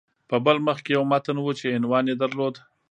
په بل مخ کې یو متن و چې عنوان یې درلود